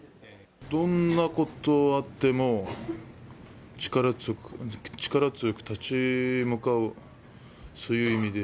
どんなことあっても、力強く立ち向かう、そういう意味で。